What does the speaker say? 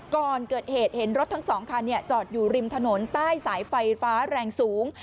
ก่อนเกิดเหตุเห็นรถทั้ง๒คันจอดอยู่ริมถนนใต้สายไฟฟ้าแรงสูง